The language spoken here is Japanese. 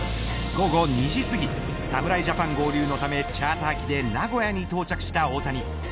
午後２時すぎ侍ジャパン合流のためチャーター機で名古屋に到着した大谷。